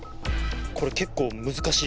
これ結構難しい。